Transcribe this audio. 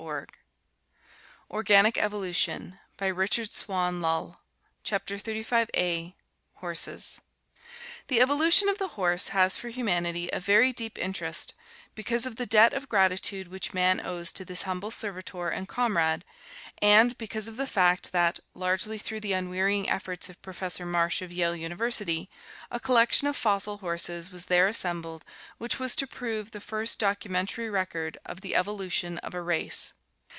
Scott, W. B., A History of Land Mammals in the Western Hemisphere, 1913 CHAPTER XXXV The evolution of the horse has for humanity a very deep interest because of the debt of gratitude which man owes to this humble servitor and comrade and because of the fact that, largely through the unwearying efforts of Professor Marsh of Yale University, a collection of fossil horses was there assembled which was to prove the first documentary record of the evolution of a race.